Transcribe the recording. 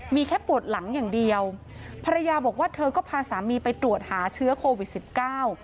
มีแค่ปวดหลังอย่างเดียวภรรยาบอกว่าเธอก็พาสามีไปตรวจหาเชื้อโควิดสิบเก้า